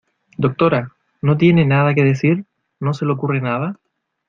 doctora, ¿ no tiene nada que decir? ¿ no se le ocurre nada ?